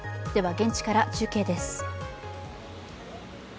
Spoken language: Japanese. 現地から中継です。